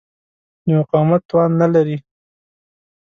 د مقاومت توان نه لري.